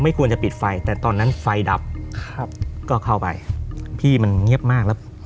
ควรจะปิดไฟแต่ตอนนั้นไฟดับครับก็เข้าไปพี่มันเงียบมากแล้ว